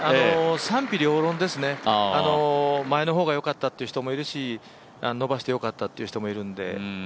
賛否両論ですね、前の方が良かったっていう人もいるし伸ばして良かったという人もいるので。